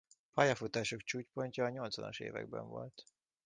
Pályafutásuk csúcspontja a nyolcvanas években volt.